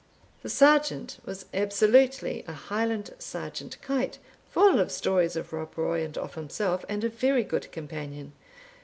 The sergeant was absolutely a Highland Sergeant Kite, full of stories of Rob Roy and of himself, and a very good companion.